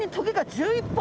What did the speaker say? １１本！